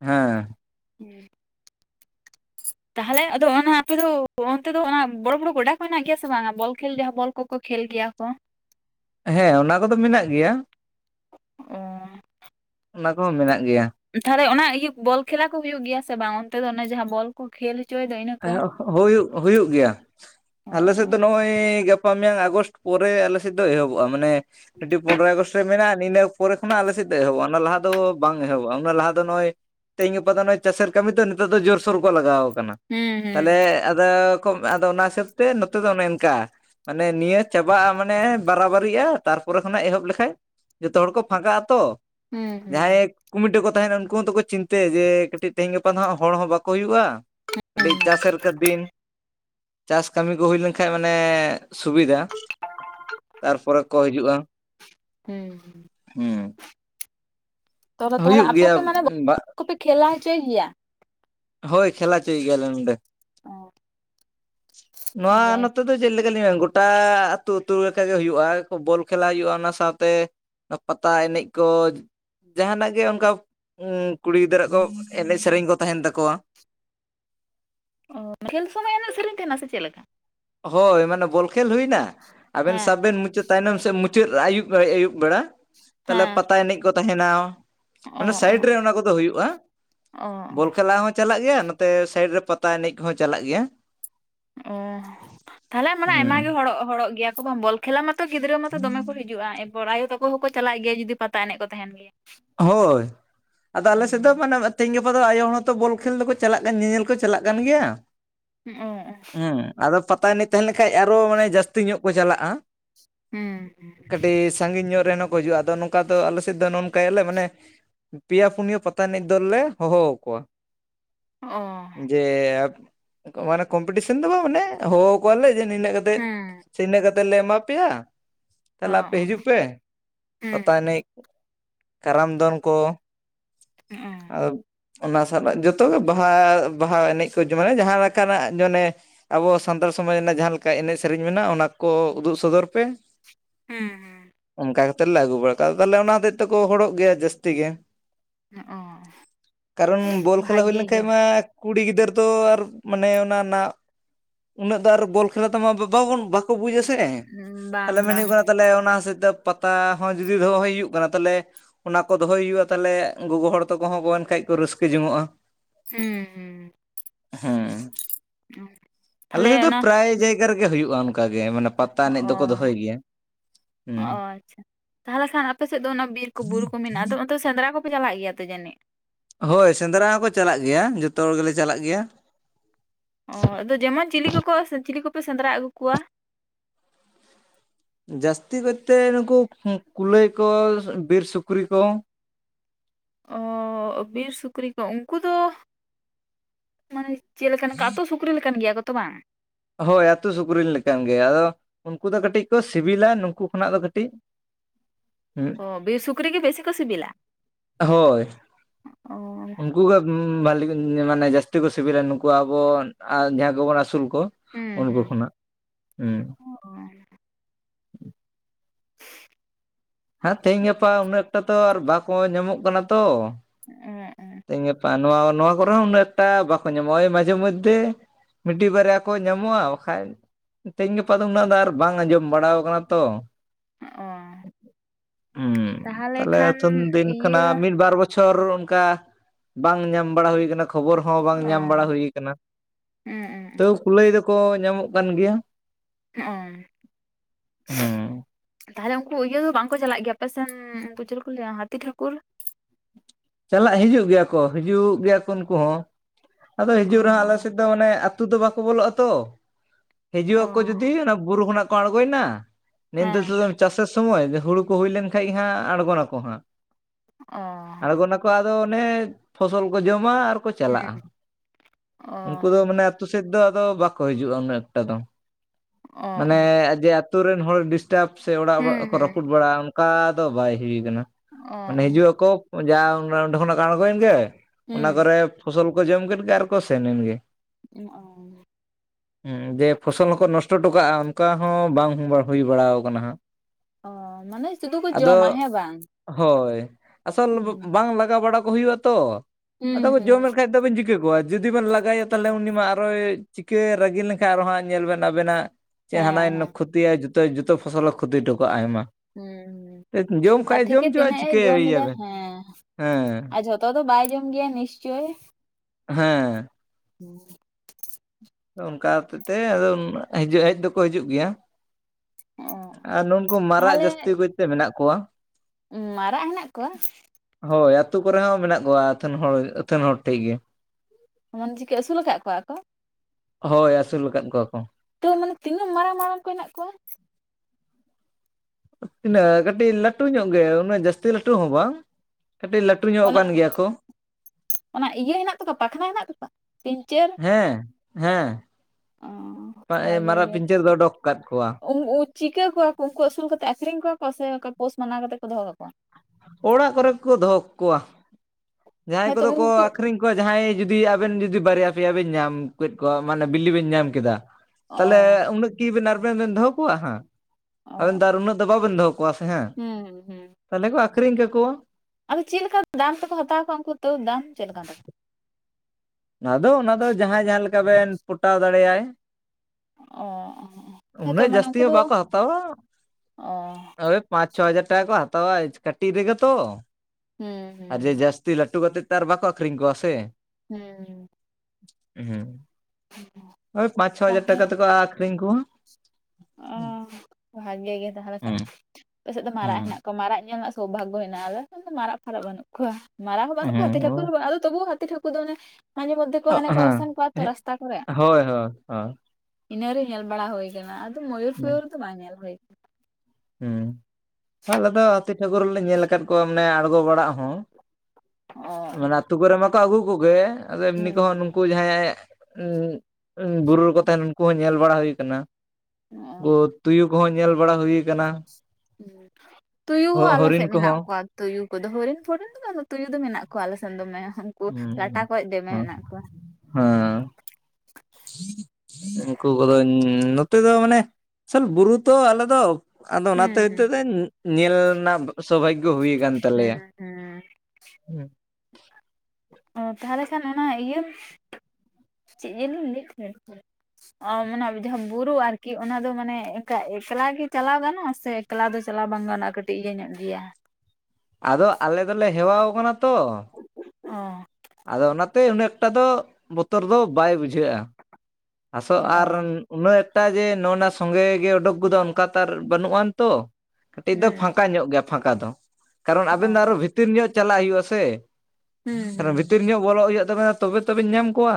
ᱦᱮᱸ ᱦᱩᱢ [inaudible] ᱛᱟᱦᱟᱞᱮ ᱟᱫᱚ ᱚᱱᱟ ᱟᱯᱮ ᱫᱚ ᱚᱱᱛᱮ ᱫᱚ ᱚᱱᱟ ᱵᱚᱲᱚ ᱵᱚᱲᱚ ᱜᱚᱰᱟ ᱠᱚ ᱦᱮᱱᱟᱜ ᱜᱮᱭᱟ ᱥᱮ ᱵᱟᱝ ᱵᱚᱞ ᱠᱷᱮᱞ ᱡᱟᱦᱟᱸ ᱵᱚᱞᱼᱼ ᱠᱚ ᱠᱚ ᱠᱷᱮᱞ ᱜᱮᱭᱟ ᱠᱚ? ᱦᱮᱸ ᱚᱱᱟ ᱠᱚᱫᱚ ᱢᱮᱱᱟᱜ ᱜᱮᱭᱟ᱾ ᱚᱻ ᱚᱱᱟ ᱠᱚᱦᱚᱸ ᱢᱮᱱᱟᱜ ᱜᱮᱭᱟ᱾ ᱛᱟᱦᱚᱞᱮ ᱚᱱᱟ ᱤᱭᱟᱹ ᱵᱚᱞ ᱠᱷᱮᱞᱟ ᱠᱚ ᱦᱩᱭᱩᱜ ᱜᱮᱭᱟ ᱥᱮ ᱵᱟᱝ? ᱚᱱᱛᱮ ᱫᱚ ᱚᱱᱮ ᱡᱟᱦᱟᱸ ᱵᱚᱞᱼᱼ ᱠᱚ ᱠᱷᱮᱞ ᱦᱚᱪᱚᱭ ᱫᱚ ᱤᱱᱟᱹᱼᱼ ᱮ ᱦᱩᱭᱩᱜ, ᱦᱩᱭᱩᱜ ᱜᱮᱭᱟ ᱚ ᱟᱞᱮ ᱥᱮᱫ ᱫᱚ ᱱᱚᱜᱼᱚᱭ ᱮᱸ ᱜᱟᱯᱟ ᱢᱮᱭᱟᱝ ᱟᱜᱚᱥᱴ ᱯᱚᱨᱮ ᱟᱞᱮᱥᱮᱫ ᱫᱚ ᱮᱦᱚᱵᱚᱜᱼᱟ ᱾ ᱢᱟᱱᱮ ᱢᱤᱫᱴᱮᱡ ᱯᱚᱱᱨᱚᱭ ᱟᱜᱚᱥᱴᱼᱼ ᱢᱮᱱᱟᱜᱼᱟ ᱱᱤᱱᱟᱹ ᱯᱚᱨᱮ ᱠᱷᱚᱱᱟᱜ ᱟᱞᱮ ᱥᱮᱫ ᱮᱦᱚᱵᱚᱜᱼᱟ, ᱚᱱᱟ ᱞᱟᱦᱟ ᱫᱚ ᱵᱟᱝ ᱮᱦᱚᱵᱟᱜᱼᱟ, ᱚᱱᱟ ᱞᱟᱦᱟ ᱫᱚ ᱱᱚᱜᱼᱚᱭᱼᱼ ᱛᱮᱦᱮᱧ ᱜᱟᱯᱟ ᱫᱚ ᱱᱚᱜᱼᱚ ᱪᱟᱥᱮᱨ ᱠᱟᱹᱢᱤ ᱛᱚ, ᱱᱤᱛᱚᱜ ᱫᱚ ᱡᱳᱨ ᱥᱳᱨ ᱠᱚ ᱞᱟᱜᱟᱣ ᱠᱟᱱᱟ ᱾ ᱦᱩᱸ ᱦᱩᱸ ᱛᱟᱦᱚᱞᱮ ᱟᱫᱚ ᱠᱚ ᱟᱫᱚ ᱚᱱᱟ ᱦᱤᱥᱟᱹᱵᱽ ᱛᱮ ᱱᱚᱛᱮ ᱫᱚ ᱚᱱᱮ ᱚᱱᱠᱟ ᱾ ᱢᱟᱱᱮ ᱱᱤᱭᱟᱹ ᱪᱟᱵᱟᱜᱼᱟ, ᱢᱟᱱᱮ ᱵᱟᱨᱟ ᱵᱟᱨᱤᱜᱼᱟ, ᱛᱟᱨᱯᱚᱨᱮ ᱠᱷᱚᱱᱟᱜ ᱮᱦᱚᱵ ᱞᱮᱠᱷᱟᱡᱼᱼ ᱡᱚᱛᱚ ᱦᱚᱲ ᱠᱚ ᱯᱷᱟᱸᱠᱟᱜᱼᱟ ᱛᱚ, ᱦᱩᱸ ᱦᱩᱸ ᱡᱟᱦᱟᱸᱭᱼᱼ ᱠᱩᱢᱤᱴᱟᱹ ᱠᱚ ᱛᱟᱸᱦᱮᱱᱟ ᱩᱱᱠᱩ ᱦᱚᱸ ᱛᱚᱠᱚ ᱪᱤᱱᱛᱟᱹᱭᱟ ᱡᱮ ᱠᱟᱹᱴᱤᱡ ᱛᱮᱦᱮᱧ ᱜᱟᱯᱟ ᱫᱚ ᱦᱟᱸᱜ ᱦᱚᱲ ᱦᱚᱸ ᱵᱟᱠᱚ ᱦᱩᱭᱩᱜᱼᱟ ᱾ ᱦᱮ [unintelligible] ᱟᱹᱰᱤ ᱪᱟᱥ ᱞᱮᱠᱟ ᱫᱤᱱ, ᱪᱟᱥ ᱠᱟᱹᱢᱤ ᱠᱚ ᱦᱩᱭ ᱞᱮᱱ ᱠᱷᱟᱱ ᱢᱟᱱᱮ ᱥᱩᱵᱤᱫᱷᱟ, ᱛᱟᱨᱯᱚᱨᱮ ᱠᱚ ᱦᱤᱡᱩᱜᱼᱟ ᱦᱩᱸ ᱦᱩᱸ ᱾ ᱦᱩᱸᱼᱼ ᱛᱚᱵᱮ ᱛᱟᱦᱚᱞᱮ ᱜᱮᱭᱟ ᱟᱯᱮ ᱢᱟᱱᱮ ᱵᱚᱞ ᱵᱟ ᱠᱚᱯᱮ ᱠᱷᱮᱞᱟ ᱦᱚᱪᱚᱭ ᱜᱮᱭᱟ? ᱦᱳᱭ ᱠᱷᱮᱞᱟᱪᱚᱭᱮᱫ ᱜᱮᱭᱟᱞᱮ ᱱᱚᱸᱰᱮ ᱾ ᱚ ᱱᱚᱣᱟᱼᱼ ᱡᱟᱭ ᱱᱚᱛᱮ ᱫᱚ ᱪᱮᱫ ᱞᱮᱠᱟᱞᱤᱧ ᱢᱮᱱᱟ ᱜᱚᱴᱟ ᱟᱹᱛᱩ ᱟᱹᱛᱩ ᱞᱮᱠᱟᱜᱮ ᱦᱩᱭᱩᱜᱼᱟ, ᱵᱚᱞ ᱠᱷᱮᱞᱟ ᱦᱩᱭᱩᱜᱼᱟ ᱚᱱᱟ ᱥᱟᱶᱛᱮᱼᱼ ᱯᱟᱛᱟ ᱮᱱᱮᱡ ᱠᱚ ᱡᱟᱸᱦᱱᱟᱜ ᱜᱮ ᱚᱱᱠᱟ ᱩᱸ ᱠᱩᱲᱤ ᱜᱤᱫᱸᱨᱟᱹᱣᱟᱜ ᱠᱚ ᱮᱱᱮᱡ ᱥᱮᱨᱮᱧ ᱠᱚ ᱛᱟᱸᱦᱮᱱ ᱛᱟᱠᱚᱣᱟ ᱾ ᱚ ᱠᱷᱮᱞ ᱥᱚᱢᱚᱭ ᱮᱱᱮᱡ ᱥᱮᱨᱮᱧ ᱛᱟᱸᱦᱮᱱᱟ ᱥᱮ ᱪᱮᱫ ᱞᱮᱠᱟ? ᱦᱳᱭ, ᱢᱟᱱᱮ ᱵᱚᱞ ᱠᱷᱮᱞ ᱦᱩᱭᱱᱟ ᱟᱵᱮᱱ ᱦᱮᱸ ᱥᱟᱵᱽ ᱵᱮᱱ ᱢᱩᱪᱟᱹᱫ ᱛᱟᱭᱱᱚᱢ ᱥᱮᱡ ᱢᱩᱪᱟᱹᱫ ᱟᱹᱩᱵ ᱟᱹᱭᱩᱵ ᱵᱮᱲᱟ, ᱛᱟᱦᱞᱮ ᱦᱮᱸ ᱯᱟᱛᱟ ᱮᱱᱮᱡ ᱠᱚ ᱛᱟᱸᱦᱮᱱᱟ ᱚ ᱢᱟᱱᱮ ᱚ ᱥᱟᱭᱤᱰ ᱨᱮ ᱚᱱᱟ ᱠᱚᱫᱚ ᱦᱩᱭᱩᱜᱼᱟ, ᱚ ᱵᱚᱞ ᱠᱷᱮᱞᱟ ᱦᱚᱸ ᱾ ᱪᱟᱞᱟᱜ ᱜᱮᱭᱟ, ᱱᱚᱛᱮ ᱥᱟᱭᱤᱰ ᱨᱮ ᱯᱟᱛᱟ ᱮᱱᱮᱡ ᱠᱚᱦᱚᱸ ᱪᱟᱞᱟᱜ ᱜᱮᱭᱟ ᱾ ᱚ ᱛᱟᱦᱚᱞᱮ ᱢᱟᱱᱮ ᱟᱭᱢᱟ ᱦᱩᱸ ᱜᱮ ᱦᱚᱲᱚᱜ ᱦᱚᱲᱚᱜ ᱜᱮᱭᱟ ᱠᱚ ᱵᱟᱝ, ᱵᱚᱞ ᱠᱷᱮᱞᱟ ᱢᱟᱛᱚ ᱜᱤᱫᱽᱨᱟᱹ ᱢᱟᱛᱚ ᱫᱚᱢᱮ ᱠᱚ ᱦᱤᱡᱽᱼᱼ ᱡᱩᱜᱼᱟ ᱮᱨᱯᱚᱨ ᱟᱭᱳ ᱛᱟᱠᱚ ᱦᱚᱸᱠᱚ ᱪᱟᱞᱟᱜ ᱜᱮᱭᱟ ᱡᱩᱫᱤ ᱯᱟᱛᱟ ᱮᱱᱮᱡ ᱠᱚ ᱛᱟᱸᱦᱮᱱ ᱜᱮᱭᱟ ᱾ ᱦᱳᱭ, ᱟᱫᱚ ᱟᱞᱮ ᱥᱮᱫ ᱫᱚ ᱦᱩᱸ ᱢᱟᱱᱟ ᱛᱮᱦᱮᱧ ᱜᱟᱯᱟ ᱫᱚ ᱟᱭᱳ ᱦᱚᱲ ᱦᱚᱛᱚ ᱵᱚᱞ ᱠᱷᱮᱞ ᱫᱚᱠᱚ ᱪᱟᱞᱟᱜ ᱠᱟᱱᱟ, ᱧᱮᱧᱮᱞ ᱠᱚ ᱪᱟᱞᱟᱜ ᱠᱟᱱ ᱜᱮᱭᱟ ᱾ ᱳ [unintelligible] ᱟᱫᱚ ᱯᱟᱛᱟ ᱮᱱᱮᱡ ᱛᱟᱦᱮᱸ ᱞᱮᱱᱠᱷᱟᱱ ᱟᱨᱚ ᱢᱟᱱᱮ ᱡᱟᱹᱥᱛᱤ ᱧᱚᱜ ᱠᱚ ᱪᱟᱞᱟᱜᱼᱟ ᱦᱩᱸ ᱾ ᱟᱹᱰᱤ ᱥᱟᱺᱜᱤᱧ ᱧᱚᱜ ᱨᱮᱱ ᱦᱚᱸ ᱠᱚ ᱦᱤᱡᱩᱜᱼᱟ, ᱟᱫᱚ ᱱᱚᱝᱠᱟ ᱫᱚ ᱟᱞᱮᱥᱮᱫ ᱫᱚ ᱱᱚᱝᱠᱟᱼᱼ ᱱᱚᱝᱠᱟ ᱭᱟᱞᱮ, ᱢᱟᱱᱮ ᱯᱮᱭᱟ ᱯᱩᱱᱭᱟᱹ ᱯᱟᱛᱟ ᱮᱱᱮᱡ ᱫᱚᱞ ᱞᱮ ᱦᱚᱦᱚ ᱠᱚᱣᱟ ᱾ ᱚ ᱾ ᱡᱮ ᱢᱟᱱᱮ ᱠᱚᱢᱯᱤᱴᱤᱥᱚᱱ ᱫᱚ ᱵᱟᱝ ᱢᱟᱱᱮ ᱦᱚᱦᱚ ᱠᱚᱣᱟ ᱞᱮ ᱡᱮ ᱱᱤᱱᱟᱹᱜ ᱠᱟᱛᱮᱜᱼᱼ ᱦᱩᱸ ᱥᱮ ᱤᱱᱟᱹᱜ ᱠᱟᱛᱮᱫ ᱞᱮ ᱮᱢᱟ ᱯᱮᱭᱟ, ᱚ ᱛᱟᱦᱞᱮ ᱟᱯᱮ ᱦᱤᱡᱩᱜ ᱯᱮ ᱦᱩᱸ ᱯᱟᱛᱟ ᱮᱱᱮᱡᱼᱼ ᱠᱟᱨᱟᱢ ᱫᱚᱱ ᱠᱚ, ᱟᱫᱚᱼᱼ ᱚᱱᱟ ᱥᱟᱞᱟᱜ ᱡᱚᱛᱚ ᱜᱮᱛᱚ ᱦᱟᱸᱜ, ᱵᱟᱦᱟ ᱮᱱᱮᱡ ᱠᱚ ᱢᱟᱱᱮ ᱡᱟᱦᱟᱸ ᱞᱮᱠᱟᱱᱟᱜ ᱡᱟᱱᱮᱼᱼ ᱟᱵᱚ ᱥᱟᱱᱛᱟᱲ ᱥᱚᱢᱟᱡᱽ ᱨᱮᱱᱟᱜ ᱡᱟᱦᱟᱸ ᱞᱮᱠᱟ ᱮᱱᱮᱡ ᱥᱮᱨᱮᱧ ᱢᱮᱱᱟᱜᱼᱟ, ᱚᱱᱟ ᱠᱚ ᱩᱫᱩᱜ ᱥᱚᱫᱚᱨ ᱯᱮ ᱾ ᱦᱩᱸ ᱦᱩᱸ ᱚᱱᱠᱟ ᱠᱟᱛᱮᱫ ᱞᱮ ᱟᱹᱜᱩ ᱵᱟᱲᱟ ᱠᱟᱜᱼᱟ, ᱛᱟᱦᱞᱮ ᱚᱱᱟ ᱦᱚᱛᱮᱡ ᱛᱮᱠᱚ ᱦᱚᱲᱚᱜ ᱜᱮᱭᱟ ᱡᱟᱹᱥᱛᱤ ᱜᱮ ᱦᱩᱸ ᱚ ᱾ ᱠᱟᱨᱚᱱ ᱵᱚᱞ ᱠᱷᱮᱞᱟ ᱦᱩᱭ ᱵᱷᱟᱜᱮ ᱞᱮᱱ ᱜᱮ ᱠᱷᱟᱱ ᱢᱟᱼᱼ ᱠᱩᱲᱤ ᱜᱤᱫᱟᱹᱨ ᱫᱚ ᱟᱨ ᱢᱟᱱᱮ ᱚᱱᱟ ᱨᱮᱱᱟᱜᱼᱼ ᱩᱱᱟᱹᱜ ᱫᱚ ᱟᱨᱚ ᱵᱚᱞ ᱠᱷᱮᱞᱟ ᱛᱮᱢᱟ ᱵᱟᱵᱚᱱ ᱵᱟᱠᱚ ᱵᱩᱡᱟ ᱼᱼ ᱥᱮ, ᱵᱟᱝ ᱛᱟᱦᱚᱞᱮ ᱢᱮᱱ ᱵᱟᱝ ᱦᱩᱭᱩᱜ ᱠᱟᱱᱟ ᱛᱟᱦᱚᱞᱮ ᱚᱱᱟ ᱦᱤᱥᱟᱹᱵᱽ ᱛᱮ ᱯᱟᱛᱟ ᱦᱚᱸ ᱡᱩᱫᱤ ᱫᱚᱦᱚ ᱦᱩᱭᱩᱜ ᱠᱟᱱᱟᱼᱼ ᱛᱟᱦᱚᱞᱮ ᱚᱱᱟ ᱠᱚ ᱫᱚᱦᱚᱭ ᱦᱩᱭᱩᱜᱼᱟ, ᱛᱟᱦᱚᱞᱮ ᱜᱚᱜᱚ ᱦᱚᱲ ᱛᱟᱠᱚ ᱠᱚ ᱮᱱ ᱠᱷᱟᱡ ᱠᱚ ᱨᱟᱹᱥᱠᱟᱹ ᱡᱚᱝᱚᱜᱼᱟ ᱾ ᱦᱮᱸ ᱦᱮᱸ ᱾ ᱦᱮᱸ ᱟᱞᱮ ᱛᱟᱦᱞᱮ ᱛᱮᱫᱚ ᱚᱱᱟ ᱯᱨᱟᱭ ᱡᱟᱭᱜᱟ ᱨᱮᱜᱮ ᱦᱩᱭᱩᱜᱼᱟ ᱚᱱᱠᱟᱜᱮ ᱢᱟᱱᱮᱼᱼ ᱯᱟᱛᱟ ᱮᱱᱮᱡ ᱫᱚᱠᱚ ᱫᱚᱦᱚᱭ ᱚ ᱜᱮᱭᱟ ᱚ ᱦᱮᱸᱼᱼ ᱟᱪᱪᱷᱟ ᱛᱟᱦᱚᱞᱮ ᱠᱷᱟᱱ ᱟᱯᱮ ᱥᱮᱫ ᱫᱚ ᱚᱱᱟ ᱵᱤᱨ ᱠᱚ ᱵᱩᱨᱩ ᱠᱚ ᱢᱮᱱᱟᱜᱼᱟ ᱟᱫᱚ ᱚᱱᱛᱮ ᱥᱮᱸᱫᱨᱟ ᱠᱚᱯᱮ ᱪᱟᱞᱟᱜ ᱜᱮᱭᱟ ᱛᱚ ᱡᱟᱹᱱᱤᱡ? ᱦᱳᱭ ᱥᱮᱸᱫᱽᱨᱟ ᱦᱚᱸᱠᱚ ᱪᱟᱞᱟᱜ ᱜᱮᱭᱟ ᱡᱚᱛᱚ ᱦᱚᱲ ᱜᱮᱞᱮ ᱪᱟᱞᱟᱜ ᱜᱮᱭᱟ᱾ ᱚᱻ ᱟᱫᱚ ᱡᱮᱢᱚᱱ ᱪᱤᱞᱤ ᱠᱚᱠᱚ ᱪᱤᱞᱤ ᱠᱚᱯᱮ ᱥᱮᱸᱫᱽᱨᱟ ᱟᱹᱜᱩ ᱠᱚᱣᱟ? ᱡᱟᱹᱥᱛᱤ ᱠᱚᱛᱮ ᱱᱩᱠᱩ ᱠᱩᱞᱟᱹᱭ ᱠᱚ ᱵᱤᱨ ᱥᱩᱠᱨᱤ ᱠᱚ᱾ ᱚᱻ ᱵᱤᱨ ᱥᱩᱠᱨᱤ ᱠᱚ ᱩᱱᱠᱩ ᱫᱚᱼᱼ ᱢᱟᱱᱮ ᱪᱮᱫᱞᱮᱠᱟᱱ ᱠᱚ ᱟᱛᱚ ᱥᱩᱠᱨᱤ ᱞᱮᱠᱟᱱ ᱜᱮᱭᱟ ᱠᱚ ᱛᱚ ᱵᱟᱝ? ᱦᱳᱭᱛᱳ ᱥᱩᱠᱨᱤᱞ ᱞᱮᱠᱟᱱ ᱜᱮ ᱟᱫᱚ ᱩᱱᱠᱩ ᱫᱚ ᱠᱟᱹᱴᱤᱡ ᱠᱚ ᱥᱤᱵᱤᱞᱟ ᱱᱩᱠᱩ ᱠᱷᱚᱱᱟᱜ ᱫᱚ ᱠᱟᱹᱴᱤᱡᱼᱼ ᱚ ᱵᱤᱨ ᱥᱩᱠᱨᱤ ᱜᱤ ᱵᱮᱥᱤ ᱠᱚ ᱥᱤᱵᱤᱞᱟ? ᱚ ᱩᱱᱠᱩᱜᱮ ᱩᱸᱻ ᱵᱷᱟᱹᱞᱤ ᱠᱚ ᱧᱟᱢᱮ ᱢᱟᱱᱮ ᱡᱟᱹᱥᱛᱤ ᱠᱚ ᱥᱤᱵᱤᱞᱟ ᱱᱩᱠᱩ ᱟᱵᱚ ᱡᱟᱦᱟᱸᱭ ᱠᱚᱵᱚᱱ ᱟᱥᱩᱞ ᱠᱚ᱾ ᱦᱩᱸ ᱩᱱᱠᱩ ᱦᱩᱸ ᱠᱷᱚᱱᱟᱜ ᱦᱩᱸ᱾ ᱚ ᱦᱟᱸ ᱛᱮᱦᱤᱧ ᱜᱟᱯᱟ ᱩᱱᱟᱹᱜ ᱴᱟ ᱛᱚ ᱟᱨ ᱵᱟᱠᱚ ᱧᱟᱢᱚᱜ ᱠᱟᱱᱟ ᱛᱚ᱾ ᱮᱸ ᱻᱮᱸ ᱛᱮᱦᱮᱧ ᱜᱟᱯᱟ ᱱᱚᱣᱟ ᱱᱚᱣᱟ ᱠᱚᱨᱮ ᱦᱚᱸ ᱩᱱᱟᱹᱜ ᱴᱟ ᱵᱟᱠᱚ ᱧᱟᱢᱚᱜᱼᱟ ᱮ ᱢᱟᱡᱷᱮ ᱢᱚᱫᱫᱷᱮᱼᱼ ᱢᱤᱡᱤᱜ ᱵᱟᱨᱭᱟ ᱠᱚ ᱧᱟᱢᱚᱜᱼᱟ ᱵᱟᱠᱷᱟᱡᱼᱼ ᱛᱮᱦᱮᱧ ᱜᱟᱯᱟ ᱫᱚ ᱩᱱᱟᱹᱜ ᱫᱚ ᱟᱨ ᱵᱟᱝ ᱟᱸᱡᱚᱢ ᱵᱟᱲᱟᱣ ᱠᱟᱱᱟ ᱛᱚ᱾ ᱚ ᱦᱩᱸ ᱛᱟᱦᱚᱞᱮ ᱛᱟᱦᱞᱮ ᱠᱷᱟᱱ ᱛᱩᱱᱫᱤᱱ ᱤᱭᱟᱹ ᱠᱷᱚᱱᱟᱜ ᱢᱤᱫ ᱵᱟᱨ ᱵᱚᱪᱷᱚᱨᱼᱼ ᱵᱚᱪᱷᱚᱨ ᱚᱱᱠᱟ ᱵᱟᱝ ᱧᱟᱢ ᱵᱟᱲᱟ ᱦᱩᱭᱠᱟᱱᱟ ᱠᱷᱚᱵᱚᱨ ᱦᱚᱸ ᱚ ᱵᱟᱝ ᱧᱟᱢ ᱵᱟᱲᱟ ᱦᱩᱭ ᱠᱟᱱᱟ ᱩᱸ ᱩᱸ ᱛᱟᱹᱼᱼ ᱩᱸ ᱠᱩᱞᱟᱹᱭ ᱫᱟᱠᱚ ᱧᱟᱢᱚᱜ ᱠᱟᱱ ᱜᱮᱭᱟ᱾ ᱚ ᱦᱩᱸ [unintelligible] ᱛᱟᱦᱚᱞᱮ ᱩᱱᱠᱩ ᱤᱭᱟᱹ ᱵᱟᱝᱠᱚ ᱪᱟᱞᱟᱜ ᱜᱮᱭᱟ ᱟᱯᱮᱥᱮᱱ ᱩᱱᱠᱩ ᱪᱤᱞᱤ ᱠᱚ ᱞᱟᱹᱭᱟ ᱦᱟᱹᱛᱤ ᱴᱷᱟᱹᱠᱩᱨᱼᱼ ᱪᱟᱞᱟᱜ ᱦᱤᱡᱩᱜ ᱜᱮᱭᱟ ᱠᱚ ᱦᱤᱡᱩᱜ ᱜᱮᱭᱟ ᱠᱚ ᱩᱱᱠᱩ ᱦᱚᱸ ᱟᱫᱚ ᱚ ᱦᱤᱡᱩᱜ ᱨᱮᱦᱚᱸ ᱟᱞᱮ ᱥᱮᱫᱼᱼ ᱫᱚ ᱢᱟᱱᱮ ᱟᱹᱛᱩ ᱫᱚ ᱵᱟᱠᱚ ᱵᱚᱞᱚᱜ ᱟ ᱛᱚ ᱦᱤᱡᱩᱜ ᱚ ᱟᱠᱚ ᱡᱩᱫᱤ ᱚᱱᱟ ᱵᱩᱨᱩ ᱠᱷᱚᱱᱟᱜᱼᱼ ᱠᱚ ᱟᱸᱲᱜᱚᱭᱱᱟ ᱧᱤᱫᱚ ᱦᱮᱸ ᱛᱮᱫᱚ ᱪᱟᱥᱮᱨ ᱥᱚᱢᱚᱭ ᱡᱮ ᱦᱩᱲᱩ ᱠᱚ ᱦᱩᱭ ᱞᱮᱱ ᱠᱷᱟᱭᱡ ᱜᱮ ᱦᱟᱸᱜ ᱟᱸᱲᱜᱚᱱᱟᱠᱚ ᱦᱟᱸᱜ ᱚᱻ ᱟᱸᱲᱜᱚᱱᱟᱠᱚ ᱟᱫᱚ ᱚᱱᱮ ᱯᱷᱚᱥᱚᱞ ᱠᱚ ᱡᱚᱢᱟ ᱟᱨᱼᱼ ᱠᱚ ᱪᱟᱞᱟᱜᱼᱟ ᱦᱩᱸ ᱚ ᱩᱱᱠᱩ ᱫᱚ ᱢᱟᱱᱮᱼᱼ ᱟᱹᱛᱩ ᱥᱮᱫ ᱫᱚ ᱟᱫᱚ ᱵᱟᱠᱚ ᱦᱤᱡᱩᱜᱼᱟ ᱩᱱᱟᱹᱜ ᱮᱠᱴᱟ ᱫᱚ ᱚ ᱚ ᱢᱟᱱᱮ ᱟᱨ ᱡᱮ ᱟᱹᱛᱩ ᱨᱮᱱ ᱦᱚᱲ ᱰᱤᱥᱼᱼ ᱥᱴᱟᱯ ᱥᱮ ᱚᱲᱟᱜ ᱦᱩᱸ ᱚᱲᱟᱜ ᱠᱚ ᱦᱩᱸ ᱨᱟᱹᱯᱩᱫ ᱵᱟᱲᱟᱜ ᱚᱱᱠᱟ ᱫᱚ ᱵᱟᱭ ᱦᱩᱭ ᱟᱠᱟᱱᱟ ᱚ ᱢᱟᱱᱮ ᱦᱤᱡᱩᱜ ᱟᱠᱚᱼᱼ ᱡᱟ ᱚᱱᱟ ᱚᱱᱰᱮ ᱠᱷᱚᱱᱟᱜ ᱠᱚ ᱟᱸᱲᱜᱚᱭᱮᱱ ᱜᱮ ᱚ ᱚᱱᱟ ᱦᱩᱸ ᱠᱚᱨᱮ ᱯᱷᱚᱥᱚᱞ ᱠᱚ ᱡᱚᱢ ᱠᱮᱫ ᱜᱮ ᱟᱨᱠᱚ ᱥᱮᱱ ᱮᱱᱜᱮ ᱚᱻ [inaudible] ᱦᱚᱸ ᱡᱮ ᱯᱷᱚᱥᱚᱞ ᱦᱚᱸᱠᱚ ᱱᱚᱥᱴᱚ ᱴᱚᱠᱟᱜᱼᱟ ᱚᱱᱠᱟ ᱦᱚᱸ ᱵᱟᱝ ᱦᱩᱭ ᱵᱟᱲᱟᱭ ᱠᱟᱱᱟ ᱦᱟᱸ ᱚ ᱢᱟᱱᱮ ᱥᱩᱫᱷᱩ ᱠᱚ ᱡᱚᱢᱟ ᱦᱮᱸ ᱵᱟᱝ? ᱦᱳᱭ ᱟᱥᱚᱞ ᱦᱩᱸ ᱵᱟᱝ ᱞᱟᱜᱟ ᱵᱟᱲᱟ ᱠᱚ ᱦᱩᱭᱩᱜᱼᱟ ᱛᱚ ᱟᱫᱚ ᱦᱩᱸ ᱦᱩᱸ ᱡᱚᱢᱮᱫ ᱠᱷᱟᱭ ᱫᱚᱵᱤᱱ ᱪᱤᱠᱟᱹ ᱠᱚᱣᱟ ᱡᱚᱰᱤ ᱵᱮᱱ ᱞᱟᱜᱼᱼ ᱞᱟᱭᱟ ᱛᱟᱦᱚᱞᱮ ᱩᱱᱤ ᱢᱟ ᱟᱨᱚᱭ ᱪᱤᱠᱟᱹ ᱨᱟᱹᱜᱤ ᱞᱮᱱᱠᱷᱟᱱ ᱟᱨ ᱦᱟᱸᱜ ᱧᱮᱞ ᱵᱮᱱ ᱟᱵᱮᱱᱟᱜᱼᱼ ᱦᱮᱸ ᱡᱟ ᱦᱟᱱᱟᱭ ᱱᱚ ᱦᱮᱸ ᱦᱩᱸ ᱠᱷᱚᱛᱤᱭᱟᱭ ᱡᱚᱛᱭ ᱡᱚᱛᱚ ᱯᱷᱚᱥᱚᱞᱮ ᱠᱷᱚᱛᱤ ᱦᱚᱴᱚ ᱠᱟᱜᱼᱟᱭ ᱢᱟᱼᱼ ᱦᱮᱸ ᱦᱮᱸ ᱛᱟᱨ ᱛᱷᱮᱠᱮ ᱛᱤᱱᱟᱹᱜ ᱮ ᱡᱚᱢ ᱮᱫᱟ ᱪᱤᱠᱟᱹᱭᱮᱭᱟᱵᱮᱱ ᱦᱮᱸ ᱦᱮᱸ ᱟᱨ ᱡᱚᱛᱚ ᱫᱚ ᱵᱟᱭ ᱡᱚᱢ ᱜᱮᱭᱟᱭ ᱱᱤᱥᱪᱳᱭ ᱦᱮᱸᱼᱼ ᱦᱮᱸᱼᱼ ᱚᱱᱠᱟ ᱦᱚᱛᱮᱫ ᱛᱮ ᱟᱫᱚ ᱩᱱᱟᱜ ᱦᱤᱡᱩᱜ ᱦᱮᱡ ᱫᱚᱠᱚ ᱦᱤᱡᱩᱜ ᱜᱮᱭᱟ᱾ ᱚ ᱟᱨ ᱱᱩᱱᱠᱩ ᱢᱟᱨᱟᱜ ᱛᱟᱦᱚᱞᱮ ᱡᱟᱹᱥᱛᱤ ᱠᱚᱡᱛᱮ ᱢᱮᱱᱟᱜ ᱠᱚᱣᱟ᱾ ᱢᱟᱨᱟᱜ ᱦᱮᱱᱟᱜ ᱠᱚᱣᱟ? ᱦᱳᱭ ᱟᱛᱳ ᱠᱚᱨᱮ ᱦᱚᱸ ᱢᱮᱱᱟᱜ ᱠᱚᱣᱟ ᱟᱹᱛᱷᱟᱹᱱ ᱦᱚᱲ ᱟᱹᱛᱷᱟᱹᱱ ᱦᱚᱲ ᱴᱷᱮᱭ ᱜᱮ, ᱢᱚᱱ ᱪᱤᱠᱟᱹ ᱟᱹᱥᱩᱞ ᱟᱠᱟᱫ ᱠᱚᱣᱟ ᱠᱚ? ᱦᱳᱭ ᱟᱹᱥᱩᱞ ᱟᱠᱟᱫ ᱠᱚᱣᱟ ᱠᱚ, ᱛᱟᱣ ᱢᱟᱱᱮ ᱛᱤᱱᱟᱹᱜ ᱢᱟᱨᱟᱝ ᱢᱟᱨᱟᱝ ᱠᱚ ᱦᱮᱱᱟᱜ ᱠᱚᱣᱟ? ᱛᱤᱱᱟᱹᱜ ᱠᱟᱹᱴᱤᱡ ᱞᱟᱹᱴᱩ ᱧᱚᱜ ᱜᱮ ᱩᱱᱟᱹᱜ ᱡᱟᱹᱥᱛᱤ ᱞᱟᱹᱴᱩ ᱦᱚᱸ ᱵᱟᱝ ᱠᱟᱹᱴᱤᱡ ᱞᱟᱹᱴᱩ ᱞᱟᱹᱴᱩ ᱧᱚᱜ ᱚᱱᱟ ᱠᱟᱱ ᱜᱮᱭᱟ ᱠᱚ᱾ ᱚᱱᱟ ᱤᱭᱟᱹ ᱦᱮᱱᱟᱜ ᱛᱟᱠᱚᱣᱟ ᱯᱟᱠᱷᱱᱟ ᱦᱮᱱᱟᱜ ᱛᱟᱠᱚᱣᱟ ᱯᱤᱱᱪᱟᱹᱨ ᱦᱮᱸ ᱦᱮᱸ, ᱚᱻ ᱵᱷᱟᱜᱮ ᱢᱟᱨᱟᱜ ᱜᱮ ᱛᱚ, ᱯᱤᱧᱪᱟᱹᱨ ᱫᱚ ᱚᱰᱚᱠ ᱟᱠᱟᱫ ᱠᱚᱣᱟ ᱪᱤᱠᱟᱹ ᱠᱚᱣᱟ ᱠᱚ ᱩᱱᱠᱩ ᱟᱹᱥᱩᱞ ᱠᱟᱛᱮᱜ ᱟᱹᱠᱷᱨᱤᱧ ᱠᱚᱣᱟ ᱠᱚ ᱥᱮ ᱚᱠᱟ ᱯᱳᱥ ᱢᱟᱱᱟᱣ ᱠᱟᱛᱮᱫ ᱠᱚ ᱫᱚᱦᱚ ᱠᱟᱠᱚᱣᱟ? ᱚᱲᱟᱜ ᱠᱚᱨᱮᱠᱚ ᱫᱚᱦᱚ ᱠᱚᱣᱟ ᱡᱟᱦᱟᱸᱭ ᱦᱮᱸᱛᱚ ᱠᱚᱫᱚ ᱠᱚ ᱩᱱᱠᱩ ᱟᱹᱠᱷᱨᱤᱧ ᱡᱟᱦᱟᱸᱭ ᱡᱩᱫᱤ ᱟᱵᱮᱱ ᱡᱩᱫᱤ ᱵᱟᱨᱭᱟ ᱯᱮᱭᱟ ᱵᱤᱱ ᱧᱟᱢ ᱠᱮᱫ ᱠᱚᱣᱟ ᱢᱟᱱᱮ ᱵᱤᱞᱤ ᱵᱮᱱ ᱧᱟᱢ ᱠᱮᱫᱟ᱾ ᱛᱟᱦᱞᱮ ᱚ ᱩᱱᱟᱹᱜ ᱠᱤ ᱵᱤᱱ ᱟᱨᱵᱮᱱ ᱵᱮᱱ ᱫᱚᱦᱚ ᱠᱚᱣᱟ ᱦᱟᱸᱜ? ᱟᱵᱮᱱ ᱫᱚ ᱚ ᱟᱨ ᱩᱱᱟᱹᱜ ᱫᱚ ᱵᱟᱵᱮᱱ ᱫᱚᱦᱚ ᱠᱚᱣᱟ ᱥᱮ ᱦᱟᱸᱜ ᱦᱩᱸ ᱦᱩᱸ ᱛᱟᱦᱚᱞᱮ ᱠᱚ ᱟᱹᱠᱷᱨᱤᱧ ᱠᱟᱠᱚᱣᱟ᱾ ᱟᱫᱚ ᱪᱮᱫ ᱞᱮᱠᱟ ᱫᱟᱢ ᱛᱮᱠᱚ ᱦᱟᱛᱟᱣ ᱠᱚᱣᱟ ᱩᱱᱠᱩ ᱛᱟᱹᱣ ᱫᱟᱢ ᱪᱮᱫ ᱞᱮᱠᱟ ᱛᱟᱠᱚᱣᱟ? ᱟᱫᱚ ᱚᱱᱟ ᱫᱚ ᱡᱟᱦᱟᱸᱭ ᱡᱟᱦᱟᱸ ᱞᱮᱠᱟ ᱵᱮᱱ ᱯᱚᱴᱟᱣ ᱫᱟᱲᱮᱭᱟᱭ ᱾ ᱚ ᱦᱮᱸᱛᱚ ᱩᱱᱟᱹᱜ ᱢᱟᱱᱮ ᱡᱟᱹᱥᱛᱤ ᱩᱱᱠᱩ ᱫᱚ ᱦᱚᱸ ᱵᱟᱠᱚ ᱦᱟᱛᱟᱣᱟ ᱚ ᱳᱭ ᱯᱟᱸᱪ ᱪᱷᱚ ᱦᱟᱡᱟᱨ ᱴᱟᱠᱟ ᱠᱚ ᱦᱟᱛᱟᱣᱟ ᱠᱟᱹᱴᱤᱡ ᱨᱮᱜᱮ ᱛᱚ ᱦᱩᱸ ᱟᱨ ᱦᱩᱸ ᱡᱟᱹᱛᱤ ᱞᱟᱹᱴᱩ ᱠᱟᱛᱮᱜ ᱛᱚ ᱟᱨ ᱵᱟᱠᱚ ᱟᱹᱷᱨᱤᱧ ᱠᱚᱣᱟ ᱥᱮ ᱾ [inaudible] ᱦᱮᱸ ᱳᱭ ᱯᱟᱸᱪ ᱪᱷᱚ ᱦᱟᱡᱟᱨ ᱛᱟᱦᱚᱞᱮ ᱴᱟᱠᱟ ᱛᱮᱠᱚ ᱟᱠᱷᱨᱤᱧ ᱠᱚᱣᱟ᱾ ᱚ ᱵᱷᱟᱜᱮ ᱜᱮ ᱛᱟᱦᱚᱞᱮ ᱠᱷᱟᱡ ᱦᱩᱸ ᱟᱯᱮ ᱥᱮᱫ ᱫᱚ ᱢᱟᱨᱟᱜ ᱦᱩᱸ ᱦᱮᱱᱟᱜ ᱠᱚᱣᱟ ᱢᱟᱨᱟᱜ ᱧᱮᱞᱱᱟᱜ ᱵᱷᱟᱜᱽᱚ ᱦᱮᱱᱟᱜ-ᱟ ᱟᱞᱮᱥᱮᱫ ᱫᱚ ᱢᱟᱨᱟᱜ ᱯᱷᱟᱨᱟᱜ ᱵᱟᱹᱱᱩᱜ ᱠᱚᱣᱟ ᱢᱟᱨᱟᱜ ᱦᱚᱸ ᱦᱩᱸ ᱵᱟᱹᱱᱩᱜ ᱠᱚᱣᱟ ᱦᱮᱸ ᱦᱟᱹᱛᱤ ᱴᱟᱹᱠᱩᱨ ᱦᱚᱸ ᱟᱫᱚ ᱛᱚᱵᱩ ᱦᱟᱹᱛᱤ ᱴᱷᱟᱹᱠ ᱩᱱᱠᱩ ᱫᱚ ᱚᱱᱮ ᱢᱟᱡᱷᱮ ᱢᱟᱡᱷᱮ ᱢᱚᱫᱽᱫᱷᱮ ᱠᱚ ᱦᱟᱱᱮ ᱠᱚ ᱚᱥᱮᱱ ᱠᱚᱣᱟ ᱛᱚ ᱨᱟᱥᱛᱟ ᱠᱚᱨᱮᱜ᱾ ᱦᱳᱭ ᱦᱳᱭ ᱦᱳᱭ ᱤᱱᱟᱹᱨᱮ ᱧᱮᱞ ᱵᱟᱲᱟ ᱦᱩᱭ ᱟᱠᱟᱱᱟ ᱟᱫᱚ ᱢᱚᱭᱩᱨ ᱥᱚᱭᱩᱨ ᱫᱚ ᱵᱟᱝ ᱧᱮᱞ ᱦᱩᱭ ᱟᱠᱟᱱᱟ᱾ ᱦᱮᱸ ᱟᱞᱮ ᱫᱚ ᱦᱟᱹᱛᱤ ᱴᱷᱟᱹᱠᱩᱨ ᱦᱚᱸᱞᱤᱧ ᱧᱮᱞ ᱟᱠᱟᱫ ᱠᱚᱣᱟ ᱢᱟᱱᱮ ᱟᱬᱜᱚ ᱵᱟᱲᱟᱜ ᱦᱚᱸ᱾ ᱟᱠᱟᱱᱟ᱾ ᱚ ᱢᱟᱱᱮ ᱟᱹᱛᱩ ᱠᱚᱨᱮ ᱢᱟᱠᱚ ᱟᱹᱜᱩ ᱠᱚᱜᱮ ᱟᱫᱚ ᱦᱩᱸ ᱮᱢᱱᱤ ᱠᱚᱦᱚᱸ ᱱᱩᱠᱩ ᱦᱩᱸ ᱦᱮᱸ ᱵᱩᱨᱩ ᱨᱮᱠᱚ ᱛᱟᱦᱮᱱ ᱩᱱᱠᱩ ᱦᱚᱸ ᱧᱮᱞ ᱵᱟᱲᱟ ᱦᱩᱭ ᱟᱠᱟᱱᱟ ᱚ ᱾ [inaudible] ᱛᱩᱭᱩ ᱠᱚᱦᱚᱸ ᱧᱮᱞ ᱵᱟᱲᱟ ᱦᱩᱭ ᱠᱟᱱᱟ᱾ ᱛᱩᱭᱩ ᱟᱞᱮ ᱥᱮᱫ ᱢᱮᱱᱟᱜ ᱠᱚᱣᱟ᱾ ᱛᱩᱭᱩ ᱠᱚᱫᱚ ᱦᱚᱨᱤᱱ ᱯᱷᱚᱨᱤᱱ ᱫᱚ ᱵᱟᱹᱱᱩᱜ ᱛᱩᱭᱩ ᱫᱚ ᱢᱮᱱᱟᱜ ᱠᱚᱣᱟ ᱟᱞᱮ ᱥᱮᱱ ᱫᱚᱢᱮ ᱠᱩ ᱞᱟᱴᱟ ᱦᱩᱸ ᱠᱷᱚᱡ ᱫᱚᱢᱮ ᱦᱮᱱᱟᱜ ᱠᱚᱣᱟ ᱦᱮᱸ, ᱩᱱᱠᱩ ᱠᱚᱫᱚ ᱱᱚᱛᱮ ᱫᱚ ᱢᱟᱱᱮ [inaudible] ᱵᱩᱨᱩ ᱛᱚ ᱟᱞᱮ ᱫᱚ᱾ ᱟᱫᱚ ᱦᱩᱸ ᱚᱱᱟᱛᱮ ᱦᱩᱸ ᱦᱚᱭᱛᱳ ᱫᱚᱧ [inaudible] ᱧᱮᱞ ᱨᱮᱱᱟᱜ ᱥᱳᱵᱟᱜᱚ ᱦᱩᱭ ᱟᱠᱟᱱ ᱦᱩᱸ ᱛᱟᱞᱮᱭᱟ᱾ ᱦᱩᱸ ᱚ ᱛᱟᱦᱚᱞᱮ ᱠᱷᱟᱱ ᱚᱱᱟ ᱤᱭᱟᱹ ᱪᱮᱫ ᱡᱮᱞᱤᱧ ᱞᱟᱹᱭ [inaudible] ᱚ ᱢᱟᱱᱮ ᱡᱟᱦᱟᱸ ᱵᱩᱨᱩ ᱟᱨᱠᱤ ᱚᱱᱟ ᱫᱚ ᱢᱟᱱᱮ ᱮᱠᱞᱟ ᱜᱮ ᱪᱟᱞᱟᱣ ᱜᱟᱱᱚᱜ-ᱟ ᱥᱮ ᱮᱠᱞᱟ ᱫᱚ ᱪᱟᱞᱟᱣ ᱵᱟᱝ ᱜᱟᱱᱚᱜ-ᱟ ᱠᱟᱹᱴᱤᱡ ᱤᱭᱟᱹ ᱧᱚᱜ ᱜᱮᱭᱟ? ᱟᱫᱚ ᱟᱞᱮ ᱫᱚᱞᱮ ᱦᱮᱣᱟᱣ ᱠᱟᱱᱟ ᱛᱚ᱾ ᱚ ᱟᱫᱚ ᱚᱱᱟᱛᱮ ᱩᱱᱟᱹᱜ ᱮᱠᱴᱟ ᱫᱚ ᱵᱚᱛᱚᱨ ᱫᱚ ᱵᱟᱭ ᱵᱩᱡᱷᱟᱹᱜ-ᱟ, ᱟᱥᱚᱜ ᱟᱨ ᱦᱚᱸᱜᱼᱚ ᱩᱱᱟᱹᱜ ᱮᱠᱴᱟ ᱡᱮ ᱱᱚᱜ ᱚᱱᱟ ᱥᱚᱸᱜᱮ ᱜᱮ ᱩᱰᱩᱠ ᱜᱚᱫᱚᱜ-ᱟ ᱚᱱᱠᱟ ᱛᱚ ᱟᱨ ᱵᱟᱹᱱᱩᱜ ᱟᱱ ᱛᱚ᱾ ᱠᱟᱹᱴᱤᱡ ᱫᱚ ᱦᱩᱸ ᱯᱷᱟᱸᱠᱟ ᱧᱚᱜ ᱜᱮᱭᱟ ᱯᱷᱟᱸᱠᱟ ᱫᱚ ᱾ ᱠᱟᱨᱚᱱ ᱟᱵᱮᱱ ᱫᱚ ᱟᱨᱚ ᱦᱚᱸᱜᱼᱚ ᱵᱷᱤᱛᱤᱨ ᱧᱚᱜ ᱪᱟᱞᱟᱜ ᱦᱩᱭᱩᱜ-ᱟ ᱥᱮ ᱾ ᱦᱩᱸ [inaudible] ᱦᱩᱸ ᱵᱷᱤᱛᱤᱨ ᱧᱚᱜ ᱵᱚᱞᱚᱜ ᱦᱩᱭᱩᱜ ᱛᱟᱵᱮᱱᱟ ᱛᱚᱵᱮ ᱛᱚᱵᱮᱱ ᱧᱟᱢ ᱠᱚᱣᱟ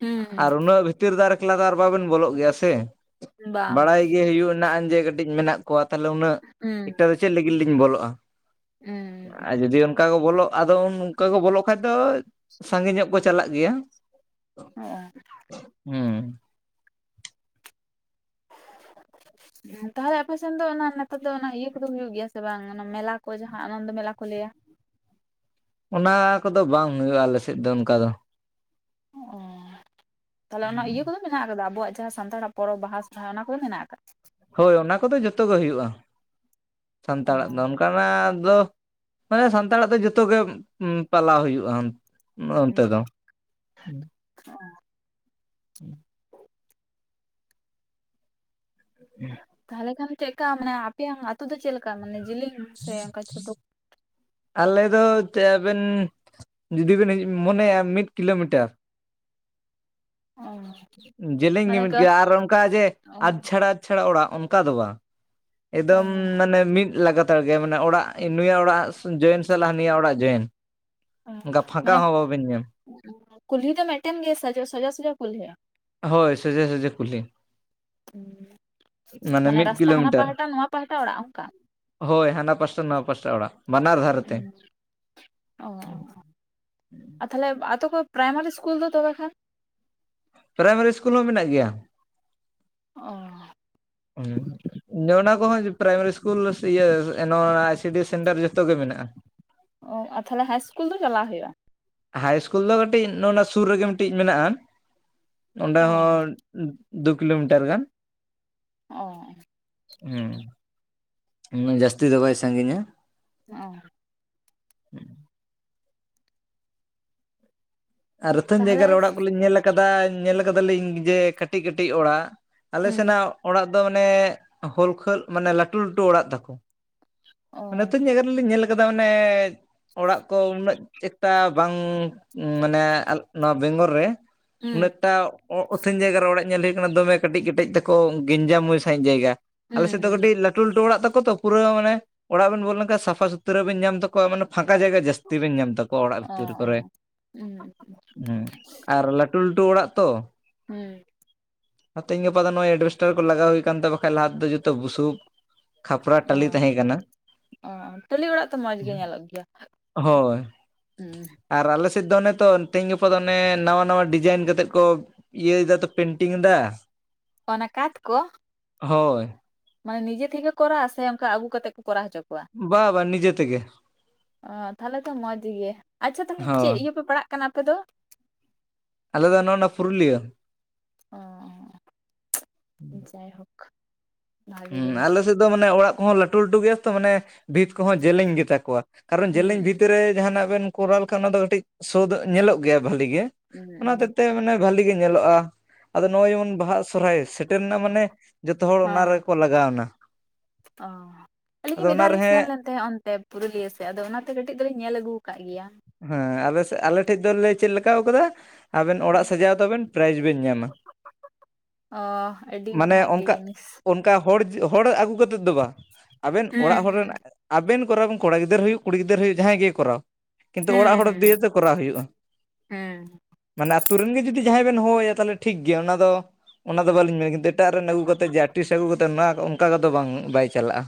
ᱦᱩᱸ ᱟᱨ ᱩᱱᱟᱹᱜ ᱵᱷᱤ ᱵᱷᱤᱛᱤᱨ ᱫᱚ ᱟᱨ ᱮᱠᱞᱟ ᱫᱚ ᱟᱨ ᱵᱟᱵᱮᱱ ᱵᱚᱞᱚᱜ ᱜᱮᱭᱟ ᱥᱮ, ᱦᱩᱸ ᱵᱟᱝ ᱵᱟᱲᱟᱭ ᱵᱟᱝ ᱜᱮ ᱦᱩᱭᱩᱜ ᱱᱟᱜ ᱡᱮ ᱠᱟᱹᱴᱤᱡ ᱢᱮᱱᱟᱜ ᱠᱚᱣᱟ ᱛᱟᱦᱚᱞᱮ ᱩᱱᱟᱹᱜ ᱦᱩᱸ ᱮᱠᱴᱟ ᱫᱚ ᱪᱮᱫ ᱞᱟᱹᱜᱤᱫ ᱞᱤᱧ ᱵᱚᱞᱚᱜ-ᱟ ᱾ ᱦᱩᱸ ᱾ ᱟᱨ ᱡᱩᱫᱤ ᱚᱱᱠᱟ ᱠᱚ ᱵᱚᱞᱚᱜ, ᱟᱫᱚ ᱩᱱ ᱚᱱᱠᱟ ᱠᱚ ᱵᱚᱞᱚᱜ ᱠᱷᱟᱡ ᱫᱚ ᱥᱟᱸᱜᱮ ᱧᱚᱜ ᱠᱚ ᱪᱟᱞᱟᱜ ᱜᱮᱭᱟ᱾ ᱦᱚᱸᱜ-ᱚ ᱾ ᱦᱩᱸ ᱾ ᱛᱟᱦᱚᱞᱮ ᱟᱯᱮ ᱥᱮᱱ ᱫᱚ ᱚᱱᱟ ᱱᱮᱛᱟᱨ ᱫᱚ ᱚᱱᱟ ᱤᱭᱟᱹ ᱠᱚᱫᱚ ᱦᱩᱭᱩᱜ ᱜᱮᱭᱟ ᱥᱮ ᱵᱟᱝ? ᱚᱱᱟ ᱢᱮᱞᱟ ᱠᱚ ᱡᱟᱦᱟᱸ ᱟᱱᱚᱱᱫᱚ ᱢᱮᱞᱟ ᱠᱚ ᱞᱟᱹᱭᱟ ᱾ ᱚᱱᱟ ᱠᱚᱫᱚ ᱵᱟᱝ ᱦᱳᱭᱳᱜ-ᱟ ᱟᱞᱮ ᱥᱮᱫ ᱫᱚ ᱚᱱᱠᱟ ᱫᱚ ᱾ ᱚᱻ ᱛᱟᱦᱚᱞᱮ ᱚᱱᱟ ᱤᱭᱟᱹ ᱠᱚᱫᱚ ᱢᱮᱱᱟᱜ ᱟᱠᱟᱫᱟ ᱟᱵᱚᱣᱟᱜ ᱡᱟᱦᱟᱸ ᱥᱟᱱᱛᱟᱲᱟᱜ ᱯᱚᱨᱚᱵᱽ ᱵᱟᱦᱟ, ᱥᱚᱦᱨᱟᱭ ᱚᱱᱟ ᱠᱚ ᱫᱚ ᱢᱮᱱᱟᱜ ᱟᱠᱟᱫ? ᱦᱳᱭ ᱚᱱᱟ ᱠᱚᱫᱚ ᱡᱚᱛᱚ ᱜᱮ ᱦᱩᱭᱩᱜ-ᱟ [inaudible] ᱚ ᱥᱟᱱᱛᱟᱲᱟᱜ ᱫᱚ, ᱚᱱᱠᱟᱱᱟᱜ ᱫᱚ ᱢᱟᱱᱮ ᱥᱟᱱᱛᱟᱲᱟᱜ ᱫᱚ ᱡᱚᱛᱚ ᱜᱮ ᱯᱟᱞᱟᱣ ᱦᱩᱭᱩᱜ-ᱟ ᱚᱱᱛᱮ ᱫᱚ ᱾ [inaudible] ᱚᱸ ᱾ ᱛᱟᱦᱚᱞᱮ ᱠᱷᱟᱱ ᱪᱮᱫ ᱞᱮᱠᱟ ᱢᱟᱱᱮ ᱟᱯᱮᱭᱟᱜ ᱟᱛᱳ ᱫᱚ ᱪᱮᱫ ᱞᱮᱠᱟ ᱢᱟᱱᱮ ᱡᱮᱞᱤᱧ [inaudible] ᱟᱞᱮ ᱫᱚ [unintelligible] ᱵᱮᱱ ᱡᱩᱫᱤ ᱵᱮᱱ ᱢᱚᱱᱮᱭᱟ ᱢᱤᱫ ᱠᱤᱞᱳᱢᱤᱴᱟᱨ ᱾ ᱚ ᱾ ᱡᱮᱞᱮᱧ ᱜᱮ ᱢᱤᱫ ᱜᱮᱭᱟ ᱟᱨ ᱚᱱᱠᱟ ᱡᱮ ᱚ ᱟᱫ ᱪᱷᱟᱲᱟ ᱟᱫ ᱪᱷᱟᱲᱟ ᱚᱲᱟᱜ ᱚᱱᱠᱟ ᱫᱚ ᱵᱟᱝ ᱾ ᱚ ᱮᱠᱫᱚᱢ ᱢᱟᱱᱮ ᱢᱤᱫ ᱞᱟᱜᱟᱛᱟᱨ ᱜᱮ, ᱢᱟᱱᱮ ᱚᱲᱟᱜ ᱱᱩᱭᱟᱜ ᱚᱲᱟᱜ ᱡᱚᱭᱮᱱ ᱥᱟᱞᱟᱜ ᱦᱟᱹᱱᱤᱭᱟᱜ ᱚᱲᱟᱜ ᱡᱚᱭᱮᱱ ᱾ ᱦᱮᱸ ᱢᱟᱱᱮ [inaudible] ᱠᱩᱞᱦᱤ ᱫᱚ ᱢᱤᱫᱴᱮᱱ ᱜᱮ ᱥᱚᱡᱟ ᱥᱚᱡᱟ ᱠᱩᱞᱦᱤᱜ-ᱟ ᱾ ᱦᱳᱭ ᱥᱚᱡᱮ ᱥᱚᱡᱮ ᱠᱩᱞᱦᱤ ᱾ ᱦᱩᱸ ᱾ [inaudible] ᱢᱟᱱᱮ ᱢᱤᱫ ᱨᱟᱥᱛᱟ ᱦᱟᱱᱟ ᱠᱤᱞᱳᱢᱤᱴᱟᱨ ᱯᱟᱦᱴᱟ ᱱᱚᱣᱟ ᱯᱟᱦᱴᱟ ᱚᱲᱟᱜ ᱚᱱᱠᱟ? ᱦᱳᱭ ᱦᱟᱱᱟ ᱯᱟᱥᱴᱟ ᱱᱚᱣᱟ ᱯᱟᱥᱴᱟ ᱚᱲᱟᱜ ᱵᱟᱱᱟᱨ ᱫᱷᱟᱨᱮ ᱛᱮ ᱾ ᱚ ᱚ ᱚ [inaudible] ᱟᱨ ᱛᱟᱦᱚᱞᱮ ᱟᱛᱳ ᱠᱚ ᱯᱨᱟᱭᱢᱟᱨᱤ ᱤᱥᱠᱩᱞ ᱫᱚ ᱛᱚᱵᱮ ᱠᱷᱟᱱ ᱯᱨᱟᱭᱢᱟᱨᱤ ᱤᱥᱠᱩᱞ ᱦᱚᱸ ᱢᱮᱱᱟᱜ ᱜᱮᱭᱟ ᱾ ᱚᱻ [unintelligible] ᱚᱱᱟ ᱠᱚᱦᱚᱸ ᱯᱨᱟᱭᱢᱟᱨᱤ ᱤᱥᱠᱩᱞ ᱤᱭᱟᱹ ᱱᱚᱣᱟ I C D S centre ᱡᱷᱚᱛᱚ ᱜᱮ ᱢᱮᱱᱟᱜ-ᱟ ᱾ ᱚ ᱟᱨ ᱛᱟᱦᱚᱞᱮ ᱦᱟᱭ ᱤᱥᱠᱩᱞ ᱫᱚ ᱪᱟᱞᱟᱜ ᱦᱩᱭᱩᱜ-ᱟ? ᱦᱟᱭ ᱤᱥᱠᱩᱞ ᱫᱚ ᱠᱟᱹᱴᱤᱡ ᱱᱚᱜ-ᱚᱱᱟ ᱥᱩᱨ ᱨᱮᱜᱮ ᱢᱤᱫᱴᱤᱡ ᱢᱮᱱᱟᱜ-ᱟ ᱾ [inaudible] ᱚᱸᱰᱮ ᱚ ᱦᱚᱸ ᱫᱩ ᱠᱤᱞᱳᱢᱤᱴᱟᱨ ᱜᱟᱱ ᱾ ᱚ ᱾ ᱦᱮᱸ ᱾ [inaudible] ᱩᱱᱟᱹᱜ ᱡᱟᱹᱥᱛᱤ ᱫᱚ ᱵᱟᱭ ᱥᱟᱺᱜᱤᱧᱟ ᱾ ᱚ ᱾ ᱟᱨ ᱟᱹᱛᱷᱟᱹᱱ ᱛᱟᱦᱚᱞᱮ ᱡᱟᱭᱜᱟ ᱨᱮ ᱚᱲᱟᱜ ᱠᱚᱞᱤᱧ ᱧᱮᱞ ᱟᱠᱟᱫᱟ ᱧᱮᱞ ᱠᱟᱫᱟᱞᱤᱧ ᱡᱮ ᱠᱟᱹᱴᱤᱡ ᱠᱟᱹᱴᱤᱡ ᱚᱲᱟᱜ ᱾ ᱟᱞᱮ ᱦᱩᱸ ᱥᱮᱱᱟᱜ ᱚᱲᱟᱜ ᱫᱚ ᱢᱟᱱᱮ ᱦᱳᱞ ᱠᱷᱟᱹᱞ ᱢᱟᱱᱮ ᱞᱟᱹᱴᱩ ᱞᱟᱹᱴᱩ ᱚᱲᱟᱜ ᱛᱟᱠᱚ ᱚ ᱾ [inaudible] ᱱᱚᱛᱩᱱ ᱡᱟᱭᱜᱟ ᱨᱮᱞᱤᱧ ᱧᱮᱞ ᱟᱠᱟᱫᱟ ᱢᱟᱱᱮ ᱚᱲᱟᱜ ᱠᱚ ᱩᱱᱟᱹᱜ ᱮᱠᱴᱟ ᱵᱟᱝ ᱢᱟᱱᱮ ᱱᱚᱣᱟ ᱵᱮᱝᱜᱚᱞ ᱨᱮ ᱦᱩᱸ ᱩᱱᱟᱹᱜ ᱴᱟ ᱚ ᱟᱹᱛᱷᱟᱹᱱ ᱡᱟᱭᱜᱟ ᱨᱮ ᱚᱲᱟᱜ ᱧᱮᱞ ᱦᱩᱭᱩᱜ ᱠᱟᱱᱟ ᱫᱚᱢᱮ ᱠᱟᱹᱴᱤᱡ ᱠᱟᱹᱴᱤᱡ ᱛᱟᱠᱚ ᱜᱮᱧᱡᱟᱢ ᱥᱟᱺᱦᱤᱡ ᱡᱟᱭᱜᱟ ᱾ ᱟᱞᱮ ᱦᱩᱸ ᱥᱮᱫ ᱫᱚ ᱦᱩᱸ ᱠᱟᱹᱴᱤᱡ ᱞᱟᱹᱴᱩ ᱞᱟᱹᱴᱩ ᱚᱲᱟᱜ ᱛᱟᱠᱚ ᱛᱚ ᱯᱩᱨᱟᱹᱣ ᱢᱟᱱᱮ ᱚᱲᱟᱜ ᱵᱮᱱ ᱵᱚᱞ ᱞᱮᱱᱠᱷᱟᱱ ᱥᱟᱯᱷᱟ ᱥᱩ ᱛᱨᱚ ᱵᱮᱱ ᱧᱟᱢ ᱛᱟᱠᱚᱣᱟ ᱢᱟᱱᱮ ᱯᱷᱟᱸᱠᱟ ᱡᱟᱭᱜᱟ ᱡᱟᱹᱥᱛᱤ ᱵᱮᱱ ᱧᱟᱢ ᱛᱟᱠᱚᱣᱟ ᱚᱲᱟᱜ ᱵᱷᱤᱛᱤᱨ ᱠᱚᱨᱮ ᱾ ᱚ [unintelligible] ᱦᱮᱸ ᱟᱨ ᱞᱟᱹᱴᱩ ᱞᱟᱹᱴᱩ ᱚᱲᱟᱜ ᱛᱚ ᱾ ᱦᱩᱸ᱾ ᱛᱮᱦᱮᱧ ᱜᱟᱯᱟ ᱫᱚ ᱱᱚᱭ ᱮᱰᱵᱮᱥᱴᱟᱨ ᱠᱚ ᱞᱟᱜᱟᱣ ᱦᱩᱭ ᱠᱟᱱ ᱛᱮ ᱵᱟᱠᱷᱟᱱ ᱞᱟᱦᱟ ᱛᱮ ᱫᱚ ᱡᱚᱛᱚ ᱵᱩᱥᱩᱵ ᱠᱷᱟᱯᱨᱟ ᱴᱟᱹᱞᱤ ᱚ ᱛᱟᱦᱮᱸ ᱠᱟᱱᱟ᱾ ᱚ ᱴᱟᱹᱞᱤ ᱚᱲᱟᱜ ᱛᱚ ᱢᱚᱸᱡᱽ ᱜᱮ ᱧᱮᱞᱚᱜ ᱜᱮᱭᱟ ᱦᱳᱭ ᱦᱩᱸ᱾ ᱟᱨ ᱟᱞᱮᱥᱮᱫ ᱫᱚ ᱚᱱᱮ ᱛᱚ ᱛᱮᱦᱤᱧ ᱜᱟᱯᱟ ᱫᱚ ᱚᱱᱮ ᱱᱟᱣᱟ ᱱᱟᱣᱟ ᱰᱤᱡᱟᱭᱤᱱ ᱠᱟ ᱠᱟᱛᱮᱫ ᱠᱚ ᱤᱭᱟᱹᱭ ᱫᱟᱛᱚ ᱯᱮᱱᱴᱤᱝ ᱫᱟ᱾ ᱚᱱᱟ ᱠᱟᱸᱛ ᱠᱚ? ᱦᱳᱭ᱾ ᱢᱟᱱᱮ ᱱᱤᱡᱮ ᱛᱮᱠᱚ ᱠᱚᱨᱟᱣᱟ ᱥᱮ ᱚᱱᱠᱟ ᱟᱹᱜᱩ ᱠᱟᱛᱮ ᱠᱚ ᱠᱚᱨᱟᱣ ᱦᱚᱪᱚ ᱠᱚᱣᱟ ᱵᱟ ᱵᱟ ᱱᱤᱡᱮ ᱛᱮᱜᱮ᱾ ᱚ ᱛᱟᱦᱞᱮ ᱛᱚ ᱢᱚᱡᱽ ᱜᱮ ᱟᱪᱪᱷᱟ ᱛᱟᱦᱞᱮ ᱪᱮᱫ ᱦᱳᱭ ᱤᱭᱟᱹᱯᱮ ᱯᱟᱲᱟᱜ ᱠᱟᱱᱟ ᱟᱯᱮ ᱫᱚ? ᱟᱞᱮ ᱫᱚ ᱱᱚᱸᱜᱼᱚᱱᱟ ᱯᱩᱨᱩᱞᱤᱭᱟᱹ᱾ ᱚᱸ᱾ ᱡᱟᱭᱦᱳᱠ᱾ ᱵᱷᱟᱜᱮ ᱦᱩᱸ ᱡᱤᱱᱤᱥ ᱟᱞᱮᱥᱮᱫ ᱫᱚ ᱢᱟᱱᱮ ᱚᱲᱟᱜ ᱠᱚᱦᱚᱸ ᱞᱟᱹᱴᱩ ᱞᱟᱹᱴᱩ ᱜᱮᱭᱟ ᱛᱚ ᱢᱟᱱᱮ ᱵᱷᱤᱛ ᱠᱚᱦᱚᱸ ᱡᱮᱞᱮᱧ ᱜᱮᱛᱟ ᱠᱚᱣᱟ ᱠᱟᱨᱚᱱ ᱡᱮᱞᱮᱧ ᱵᱷᱤᱛ ᱦᱩᱸ ᱨᱮ ᱡᱟᱦᱟᱸᱱᱟᱜ ᱵᱮᱱ ᱠᱚᱨᱟᱣ ᱞᱮᱠᱷᱟᱱ ᱚᱱᱟ ᱫᱚ ᱠᱟᱹᱴᱤᱡ ᱥᱳ ᱫᱚ ᱧᱮᱞᱚᱜ ᱜᱮᱭᱟ ᱵᱷᱟᱞᱤ ᱜᱮ, ᱦᱩᱸ ᱚᱱᱟ ᱦᱚᱛᱮᱡ ᱛᱮ ᱢᱟᱱᱮ ᱵᱷᱟᱞᱤ ᱜᱮ ᱧᱮᱞᱚᱜᱼᱟ ᱟᱫᱚ ᱱᱚᱸᱜᱼᱚᱭ ᱡᱮᱢᱚᱱ ᱵᱟᱦᱟ ᱥᱚᱨᱦᱟᱭ ᱥᱮᱴᱮᱨ ᱱᱟ ᱢᱟᱱᱮ ᱡᱷᱚᱛᱚ ᱦᱚᱲ ᱚᱱᱟᱨᱮ ᱦᱮᱸ ᱠᱚ ᱞᱟᱜᱟᱣ ᱱᱟ᱾ ᱚ ᱟᱹᱞᱤᱧ ᱦᱚᱸ ᱢᱤᱫ ᱫᱷᱟᱣ ᱞᱤᱧ ᱨᱮᱦᱮ ᱥᱮᱱ ᱞᱮᱱ ᱛᱟᱦᱮᱸᱫ ᱚᱱᱛᱮ ᱯᱩᱨᱩᱞᱤᱭᱟᱹ ᱥᱮᱫ ᱟᱫᱚ ᱚᱱᱟᱛᱮ ᱠᱟᱹᱴᱤᱡ ᱫᱚᱞᱤᱧ ᱧᱮᱞ ᱟᱹᱜᱩ ᱠᱟᱜ ᱜᱮᱭᱟ᱾ ᱦᱮᱸ ᱟᱞᱮᱥᱮᱫ ᱟᱞᱮ ᱴᱷᱮᱡ ᱫᱚᱞᱮ ᱪᱮᱫ ᱞᱮᱠᱟᱣ ᱠᱟᱫᱟ ᱟᱵᱮᱱ ᱚᱲᱟᱜ ᱥᱟᱡᱟᱣ ᱛᱟᱵᱮᱱ ᱯᱨᱟᱭᱤᱡᱽ ᱵᱮᱱ ᱧᱟᱢᱟ᱾ ᱚ ᱟᱹᱰᱤ ᱵᱷᱟᱜᱮ ᱡᱤᱱᱤᱥ᱾ ᱠᱟ ᱦᱚᱲ ᱦᱚᱲ ᱟᱹᱜᱩ ᱠᱟᱛᱮᱫ ᱫᱚ ᱵᱟᱝ ᱟᱵᱮᱱ ᱦᱩᱸ ᱚᱲᱟᱜ ᱦᱚᱲ ᱦᱩᱸ ᱨᱮᱱ ᱟᱵᱮᱱ ᱠᱚᱨᱟᱣ ᱠᱚᱲᱟ ᱜᱤᱫᱟᱹᱨ ᱦᱩᱭᱩᱜ ᱠᱩᱲᱤ ᱜᱤᱫᱟᱹᱨ ᱦᱩᱭᱩᱜ ᱡᱟᱦᱟᱸᱭ ᱜᱮ ᱠᱚᱨᱟᱣ ᱠᱤᱱᱛᱩ ᱚᱲᱟᱜ ᱦᱩᱸ ᱦᱚᱲ ᱦᱩᱸ ᱫᱤᱭᱮᱛᱮ ᱠᱚᱨᱟᱣ ᱦᱩᱭᱩᱜᱼᱟ᱾ ᱦᱩᱸ ᱢᱟᱱᱮ ᱟᱛᱩ ᱨᱮᱱ ᱜᱮ ᱡᱩᱫᱤ ᱡᱟᱦᱟᱸᱭ ᱵᱮᱱ ᱦᱚᱦᱚᱣᱟᱭᱟ ᱛᱟᱦᱞᱮ ᱴᱷᱤᱠ ᱜᱮᱭᱟ ᱚᱱᱟ ᱫᱚ ᱚᱱᱟ ᱫᱚ ᱵᱟᱹᱞᱤᱧ ᱢᱮᱱᱟ ᱠᱤᱱᱛᱩ ᱮᱴᱟᱜ ᱨᱮᱱ ᱟᱹᱜᱩ ᱠᱟᱛᱮᱫ ᱟᱨᱴᱤᱥ ᱟᱹᱜᱩ ᱠᱟᱛᱮ ᱚᱱᱠᱟ ᱠᱚᱫᱚ ᱵᱟᱝ ᱵᱟᱭ ᱪᱟᱞᱟᱜᱼᱟ᱾